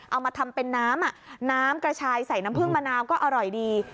เอามาทำเป็นน้ำน้ำกระชายใส่น้ำผึ้งมะนาวก็อร่อยดี